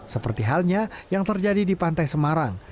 seperti halnya yang terjadi di pantai semarang